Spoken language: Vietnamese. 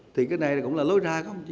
thì cái này cũng là lối ra không chí